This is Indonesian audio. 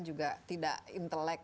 juga tidak intelek